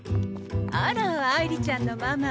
あら愛梨ちゃんのママ。